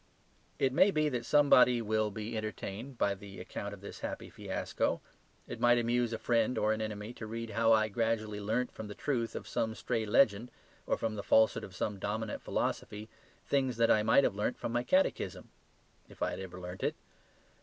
It may be that somebody will be entertained by the account of this happy fiasco. It might amuse a friend or an enemy to read how I gradually learnt from the truth of some stray legend or from the falsehood of some dominant philosophy, things that I might have learnt from my catechism if I had ever learnt it.